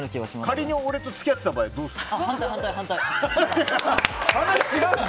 仮に俺と付き合ってた場合どうするの？